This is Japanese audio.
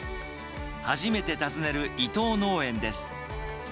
初めて訪ねる伊藤農園です。